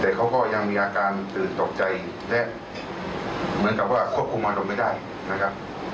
แต่เขาก็ยังมีอาการตื่นตกใจและเหมือนกับว่าควบคุมอารมณ์ไม่ได้นะครับ